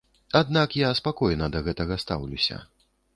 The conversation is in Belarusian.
Аднак я спакойна да гэтага стаўлюся.